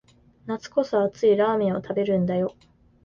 夏こそ熱いラーメンを食べるんだよ